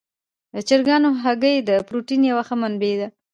د چرګانو هګۍ د پروټین یوه ښه منبع ده.